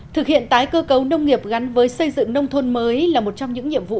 thực hiện tái cơ cấu nông nghiệp gắn với xây dựng nông thôn mới là một trong những nhiệm vụ